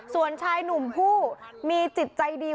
ส่วนชายหนุ่มผู้มีจิตใจดี